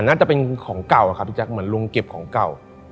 น่าจะเป็นของเก่าอะครับพี่แจ๊คเหมือนลุงเก็บของเก่า